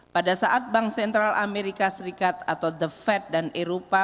pada saat bank sentral amerika serikat atau the fed dan eropa